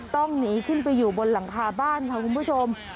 ต้องหนีขึ้นไปอยู่บนหลังคาบ้านค่ะคุณผู้ชม